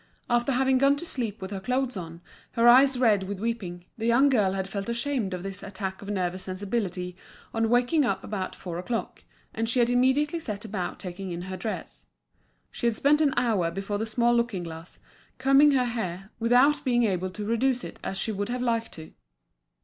After having gone to sleep with her clothes on, her eyes red with weeping, the young girl had felt ashamed of this attack of nervous sensibility on waking up about four o'clock, and she had immediately set about taking in her dress. She had spent an hour before the small looking glass, combing her hair, without being able to reduce it as she would have liked to.